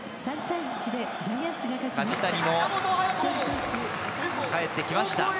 梶谷もかえってきました。